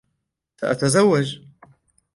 سأتزوج.